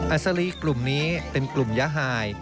อสลีกลุ่มนี้เป็นกลุ่มยะหาย